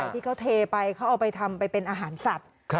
ที่เขาเทไปเขาเอาไปทำไปเป็นอาหารสัตว์